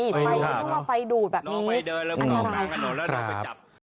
ไฟต้องเอาไฟดูดแบบนี้อันนี้อะไรคะครับ